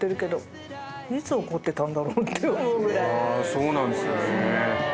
そうなんですね。